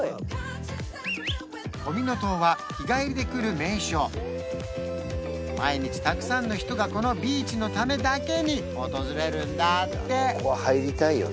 コミノ島は日帰りで来る名所毎日たくさんの人がこのビーチのためだけに訪れるんだって